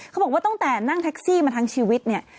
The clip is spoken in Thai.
เขาบอกว่าตั้งแต่นั่งแท็กซี่มาทั้งชีวิตเนี่ย